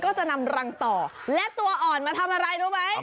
โอ้ยนี่